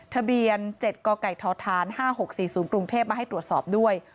ทะเบียน๗กกท๕๖๔๐กรุงเทพมาให้ตรวจสอบด้วย